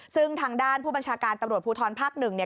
ซึ่งทางด้านผู้บัญชาการตำรวจภูทรภักดิ์๑